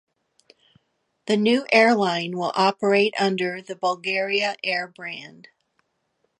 The new airline will operate under the Bulgaria Air brand.